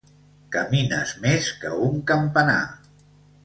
Camines més que un campanar!